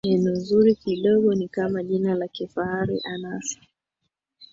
neno zuri kidogo ni kama jina la kifahari anasa